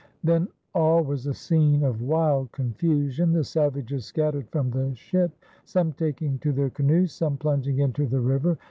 Then all was a scene of wild confusion. The savages scattered from the ship, some taking to their canoes, some plunging into the river.